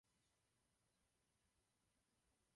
V minulosti bylo významné jejich sportovní využití.